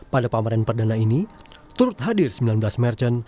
pada pameran perdana ini turut hadir sembilan belas merchant